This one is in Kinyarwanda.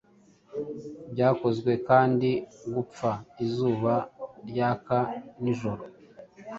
Byakozwe kandi Gupfa izuba ryaka nijoro